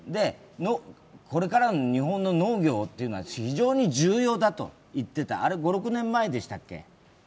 これからの日本の農業は非常に重要だといっていたあれ５６年前でしたっけ。